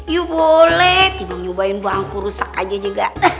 yuh boleh tiba tiba nyobain bangku rusak aja juga